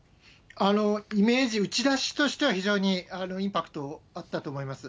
イメージ打ち出しとしては、非常にインパクトあったと思います。